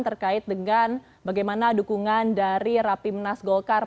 terkait dengan bagaimana dukungan dari rapimnas golkar